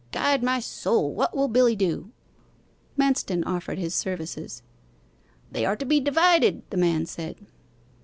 Guide my soul, what will Billy do!' Manston offered his services. 'They are to be divided,' the man said.